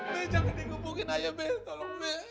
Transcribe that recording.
be jangan di gepukin aja be tolong be